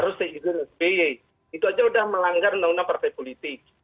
harus diizinkan itu aja sudah melanggar undang undang partai politik